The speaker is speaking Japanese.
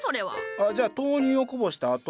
あっじゃあ豆乳をこぼした跡。